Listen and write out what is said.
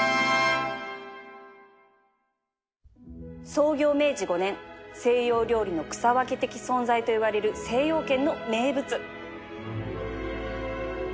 創業明治５年西洋料理の草分け的存在といわれる精養軒の名物